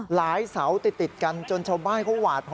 หลายเสาติดกันจนชาวบ้านเขาหวาด